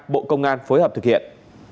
bộ công an phối hợp thực hiện